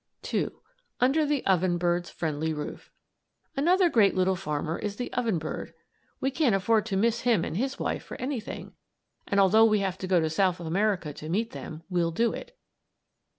II. UNDER THE OVEN BIRD'S FRIENDLY ROOF Another great little farmer is the oven bird. We can't afford to miss him and his wife for anything; and although we have to go to South America to meet them, we'll do it.